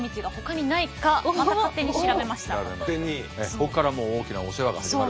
ここからもう大きなお世話が始まる。